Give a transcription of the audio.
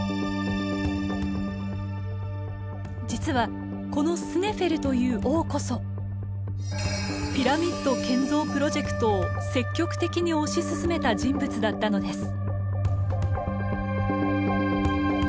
実はこのスネフェルという王こそピラミッド建造プロジェクトを積極的に推し進めた人物だったのです。